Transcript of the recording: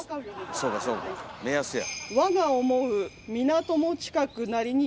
そうかそうか目安や。